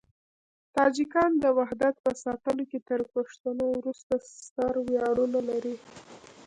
تاجکان د وحدت په ساتلو کې تر پښتنو وروسته ستر ویاړونه لري.